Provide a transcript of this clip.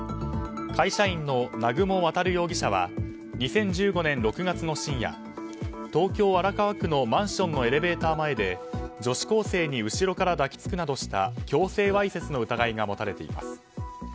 会社員の南雲航容疑者は２０１５年６月の深夜東京・荒川区のマンションのエレベーター前で女子高生に後ろから抱きつくなどした強制わいせつの疑いが持たれています。